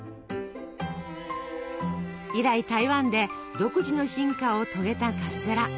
以来台湾で独自の進化を遂げたカステラ。